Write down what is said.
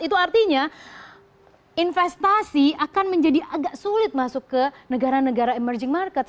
itu artinya investasi akan menjadi agak sulit masuk ke negara negara emerging market